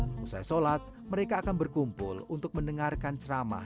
setelah sholat mereka akan berkumpul untuk mendengarkan ceramah